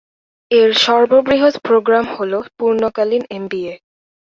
এর সর্ববৃহৎ প্রোগ্রাম হলো পূর্ণকালীন এমবিএ।